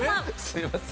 すいません。